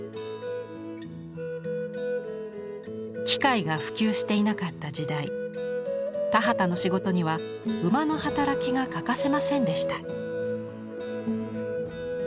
機械が普及していなかった時代田畑の仕事には馬の働きが欠かせませんでした。